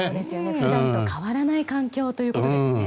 普段と変わらない環境ということですね。